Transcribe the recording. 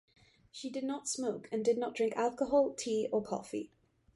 She did not smoke, and did not drink alcohol, tea, or coffee.